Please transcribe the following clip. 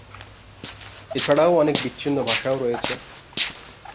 এছাড়াও অনেক বিচ্ছিন্ন ভাষাও রয়েছে।